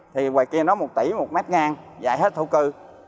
thì ngoài kia nó một tỷ một mét ngang dài hết thổ cư